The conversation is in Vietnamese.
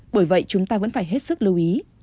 bởi vậy chúng ta vẫn phải hết sức lưu ý